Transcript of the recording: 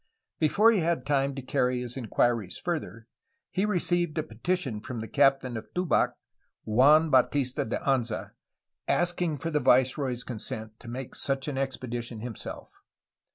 Before he had time to carry his enquiries further he received a petition from the captain of Tubac, Juan Bautista de Anza, asking for the viceroy's consent to make such an expedition himself.